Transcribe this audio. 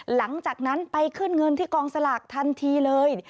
หลังจากนั้นไปขึ้นเงินที่กองสลากทันทีเลย